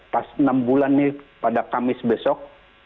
pas enam bulan nih pada kamis besok